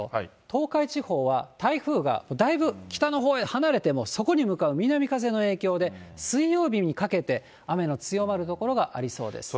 東海地方は台風がだいぶ北のほうへ離れてもそこに向かう南風の影響で、水曜日にかけて、雨の強まる所がありそうです。